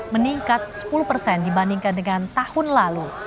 meningkat sepuluh persen dibandingkan dengan tahun lalu